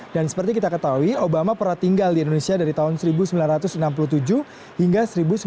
dan seperti kita ketahui obama pernah tinggal di indonesia dari tahun seribu sembilan ratus enam puluh tujuh hingga seribu sembilan ratus tujuh puluh satu